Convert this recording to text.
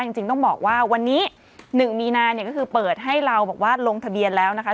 จริงต้องบอกว่าวันนี้๑มีนาเนี่ยก็คือเปิดให้เราบอกว่าลงทะเบียนแล้วนะคะ